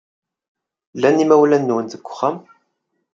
Llan yimawlan-nwen deg uxxam?